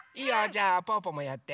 じゃあぽぅぽもやって。